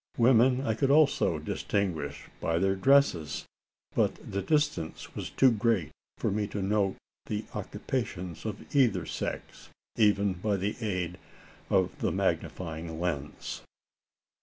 Women I could also distinguish by their dresses; but the distance was too great for me to note the occupations of either sex even by the aid of the magnifying lens.